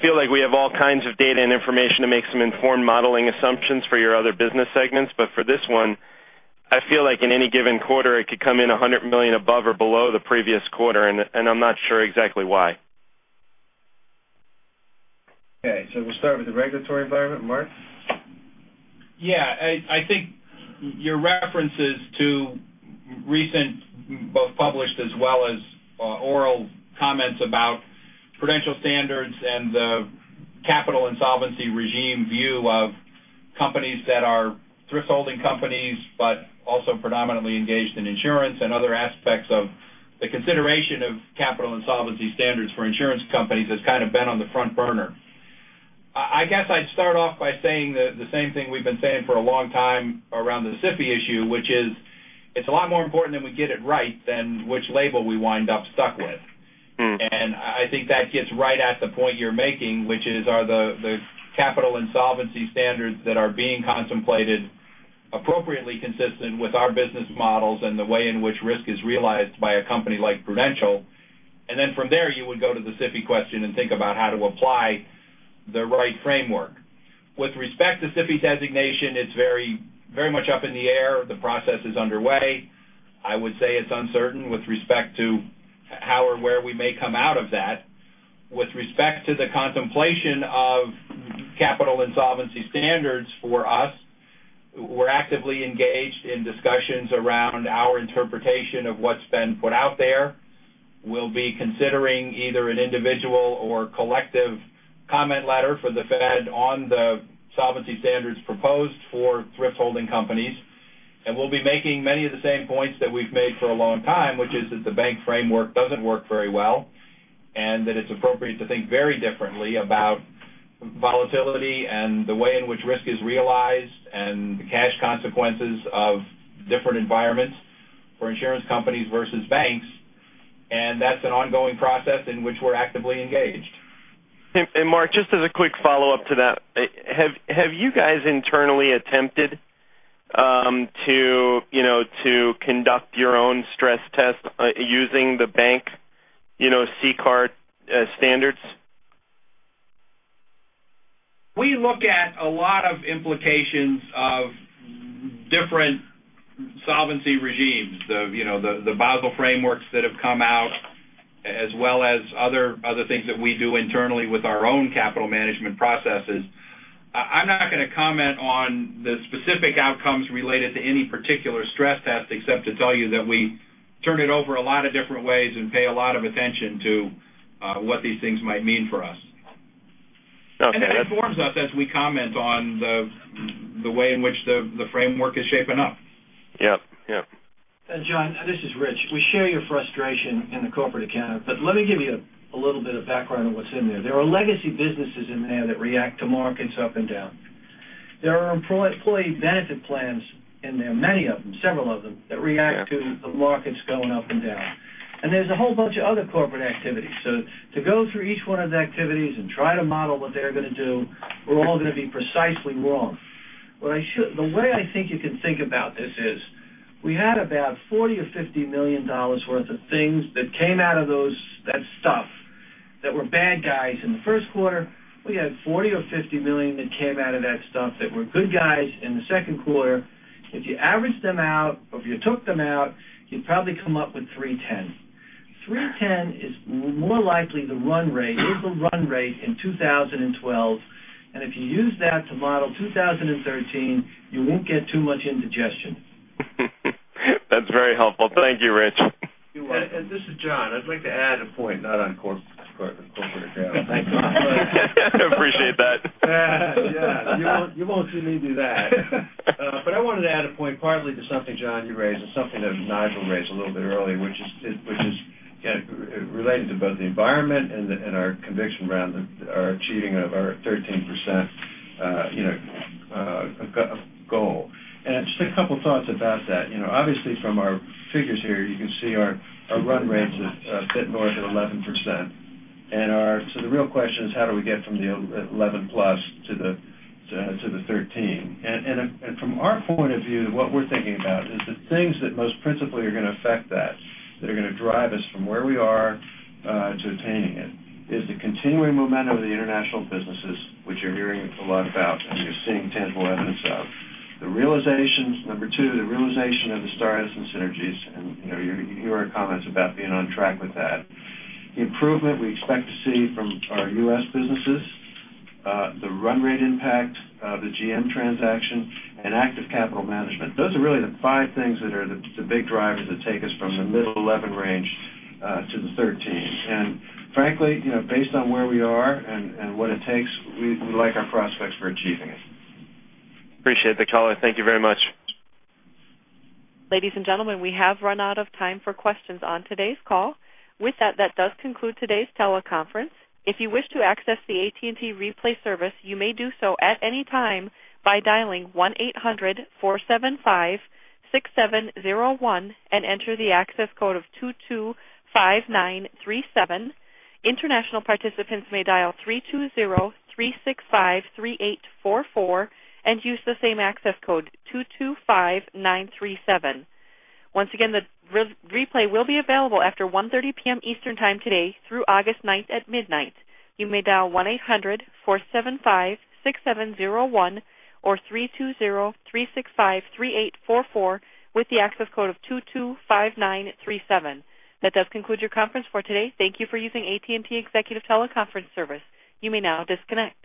feel like we have all kinds of data and information to make some informed modeling assumptions for your other business segments, but for this one, I feel like in any given quarter, it could come in $100 million above or below the previous quarter, and I'm not sure exactly why. Okay. We'll start with the regulatory environment. Mark? Yeah. I think your references to recent, both published as well as oral comments about Prudential standards and the capital and solvency regime view of companies that are thrift holding companies but also predominantly engaged in insurance and other aspects of the consideration of capital and solvency standards for insurance companies has kind of been on the front burner. I guess I'd start off by saying the same thing we've been saying for a long time around the SIFI issue, which is it's a lot more important that we get it right than which label we wind up stuck with. I think that gets right at the point you're making, which is are the capital and solvency standards that are being contemplated appropriately consistent with our business models and the way in which risk is realized by a company like Prudential. From there, you would go to the SIFI question and think about how to apply the right framework. With respect to SIFI designation, it's very much up in the air. The process is underway. I would say it's uncertain with respect to how or where we may come out of that. With respect to the contemplation of capital and solvency standards for us, we're actively engaged in discussions around our interpretation of what's been put out there. We'll be considering either an individual or collective comment letter for the Fed on the solvency standards proposed for thrift holding companies. We'll be making many of the same points that we've made for a long time, which is that the bank framework doesn't work very well, and that it's appropriate to think very differently about volatility and the way in which risk is realized and the cash consequences of different environments for insurance companies versus banks. That's an ongoing process in which we're actively engaged. Mark, just as a quick follow-up to that, have you guys internally attempted to conduct your own stress test using the bank CCAR standards? We look at a lot of implications of different solvency regimes, the Basel frameworks that have come out as well as other things that we do internally with our own capital management processes. I'm not going to comment on the specific outcomes related to any particular stress test except to tell you that we turn it over a lot of different ways and pay a lot of attention to what these things might mean for us. It informs us as we comment on the way in which the framework is shaping up. Yep. John, this is Rich. We share your frustration in the corporate account, but let me give you a little bit of background on what's in there. There are legacy businesses in there that react to markets up and down. There are employee benefit plans in there, many of them, several of them, that react to the markets going up and down. There's a whole bunch of other corporate activities. To go through each one of the activities and try to model what they're going to do, we're all going to be precisely wrong. The way I think you can think about this is, we had about $40 million or $50 million worth of things that came out of that stuff that were bad guys in the first quarter. We had $40 million or $50 million that came out of that stuff that were good guys in the second quarter. If you average them out, or if you took them out, you'd probably come up with 310. 310 is more likely the run rate. It's the run rate in 2012, and if you use that to model 2013, you won't get too much indigestion. That's very helpful. Thank you, Rich. You're welcome. This is John. I'd like to add a point, not on corporate account. Thank God. Appreciate that. Yeah. You won't see me do that. I wanted to add a point partly to something, John, you raised and something that Nigel raised a little bit earlier, which is related to both the environment and our conviction around our achieving of our 13% goal. Just a couple of thoughts about that. Obviously, from our figures here, you can see our run rate's a bit north of 11%. So the real question is how do we get from the 11% plus to the 13%? From our point of view, what we're thinking about is the things that most principally are going to affect that are going to drive us from where we are to attaining it, is the continuing momentum of the international businesses, which you're hearing a lot about and you're seeing tangible evidence of. Number 2, the realizations of the Star and Edison synergies, You heard comments about being on track with that. The improvement we expect to see from our U.S. businesses, the run rate impact of the GM transaction, Active capital management. Those are really the five things that are the big drivers that take us from the middle 11% range to the 13%. Frankly, based on where we are and what it takes, we like our prospects for achieving it. Appreciate the color. Thank you very much. Ladies and gentlemen, we have run out of time for questions on today's call. With that does conclude today's teleconference. If you wish to access the AT&T replay service, you may do so at any time by dialing 1-800-475-6701 and enter the access code of 225937. International participants may dial 320-365-3844 and use the same access code, 225937. Once again, the replay will be available after 1:30 P.M. Eastern Time today through August 9th at midnight. You may dial 1-800-475-6701 or 320-365-3844 with the access code of 225937. That does conclude your conference for today. Thank you for using AT&T Executive Teleconference Service. You may now disconnect.